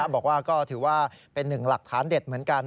บอกว่าก็ถือว่าเป็นหนึ่งหลักฐานเด็ดเหมือนกัน